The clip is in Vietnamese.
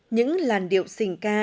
những làn điệu sỉnh ca